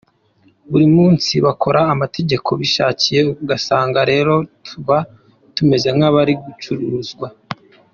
Buri munsi bakora amategeko bishakiye ugasanga rero tuba tumeze nk’abari gucuruzwa.